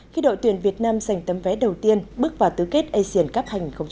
khi đội tuyển việt nam giành tấm vé đầu tiên bước vào tứ kết asian cup hai nghìn một mươi chín